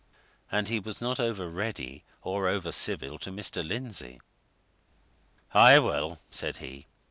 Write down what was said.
And he was not over ready or over civil to Mr. Lindsey. "Aye, well!" said he.